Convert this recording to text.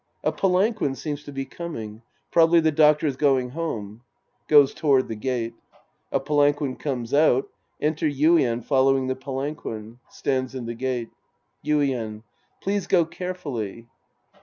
A palanquin seems to be coming. Probably the doctor's going home. {Goes toward the gate. A palanquin comes out. Enter Yuien following the palanquin. Stands in the gate.) Yuien. Please go carefully.